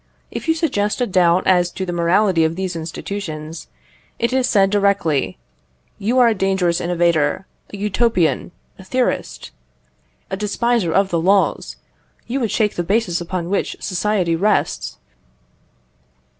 If you suggest a doubt as to the morality of these institutions, it is said directly "You are a dangerous innovator, a utopian, a theorist, a despiser of the laws; you would shake the basis upon which society rests."